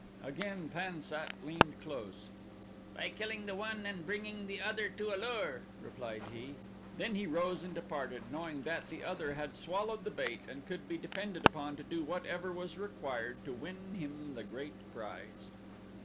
Again Pan sat leaned close: "By killing the one and bringing the other to A lur," replied he. Then he rose and departed knowing that the other had swallowed the bait and could be depended upon to do whatever was required to win him the great prize.